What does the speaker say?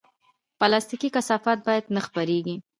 پلاستيکي کثافات باید نه خپرېږي.